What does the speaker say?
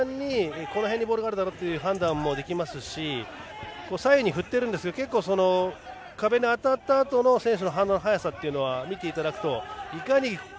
この辺にボールがあるだろうという判断もできますし左右に振っているんですが壁に当たったあとの選手の反応の速さを見ていただくと。